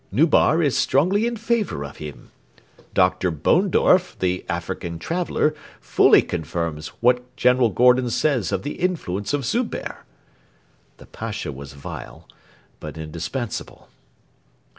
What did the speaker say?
Nubar is strongly in favour of him. Dr. Bohndorf, the African traveller, fully confirms what General Gordon says of the influence of Zubehr.' The Pasha was vile, but indispensable.